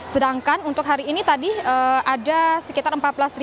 sedangkan untuk hari ini tadi ada sekitar